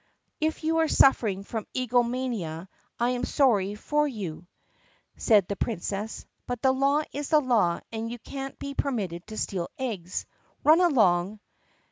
"If you are suffering from eggalomania I am sorry for you," said the Princess, "but the law is the law and you can't be permitted to steal eggs. Run along."